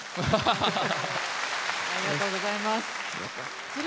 ありがとうございます。